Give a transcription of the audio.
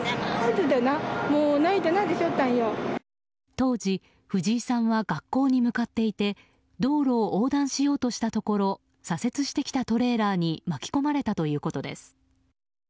当時、藤井さんは学校に向かっていて道路を横断しようとしたところ左折してきたトレーラーに巻き込まれたということです。